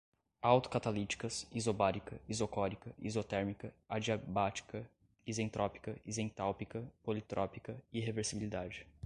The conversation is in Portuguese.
autocatalíticas, isobárica, isocórica, isotérmica, adiabática, isentrópica, isentálpica, politrópica, irreversibilidade